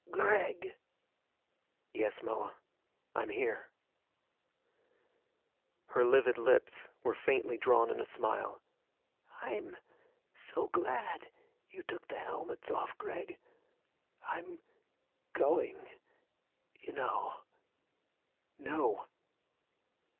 "Gregg " "Yes, Moa, I'm here." Her livid lips were faintly drawn in a smile. "I'm so glad you took the helmets off, Gregg. I'm going you know." "No!"